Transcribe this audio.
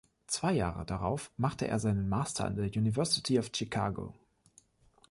Zwei Jahre darauf macht er seinen Master an der University of Chicago.